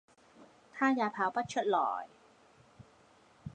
他也跑不出來